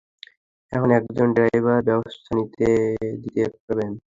এখন একজন ড্রাইভার ব্যবস্থা করে দিতে পারবেন?